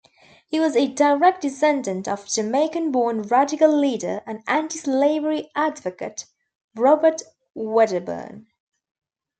He was a direct descendant of Jamaican-born radical leader and anti-slavery advocate Robert Wedderburn.